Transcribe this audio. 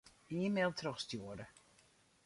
E-mail trochstjoere.